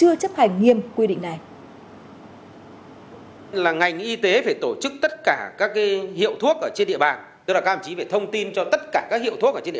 ở trên địa bàn nhé